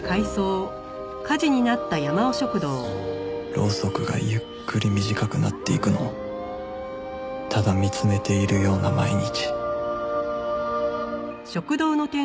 ろうそくがゆっくり短くなっていくのをただ見つめているような毎日